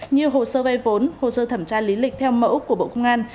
như hồ sơ vay vốn hồ sơ thẩm tra lý lịch theo mẫu của bộ công an